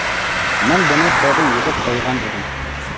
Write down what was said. مەن بۇنى توردىن يىغىپ قويغان ئىدىم.